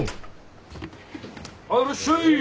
いらっしゃい！